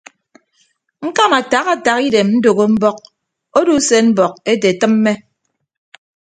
Ñkama ataha ataha idem ndәgho mbọk odo usen mbọk ete tịmme.